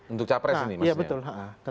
untuk capai yang lainnya